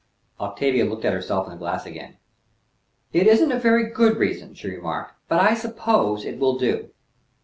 Octavia looked at herself in the glass again. "It isn't a very good reason," she remarked, "but I suppose it will do."